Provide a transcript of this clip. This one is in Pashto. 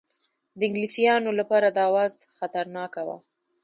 د انګلیسیانو لپاره دا وضع خطرناکه وه.